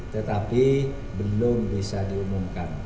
tetapi belum bisa diumumkan